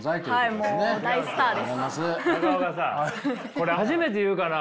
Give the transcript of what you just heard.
これ初めて言うかな。